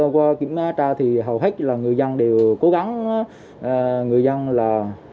qua kiểm tra thì hầu hết là người dân đều cố gắng người dân là